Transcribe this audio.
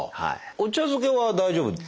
お茶漬けは大丈夫ですよ？